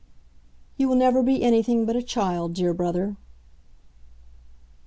"You will never be anything but a child, dear brother."